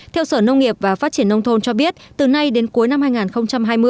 theo sở nông nghiệp và phát triển nông thôn cho biết từ nay đến cuối năm hai nghìn hai mươi